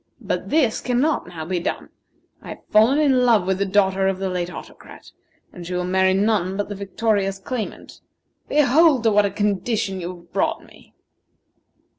But this cannot now be done. I have fallen in love with the daughter of the late Autocrat, and she will marry none but the victorious claimant. Behold to what a condition you have brought me!"